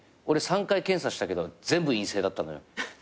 俺３回検査したけど全部陰性だったのよ。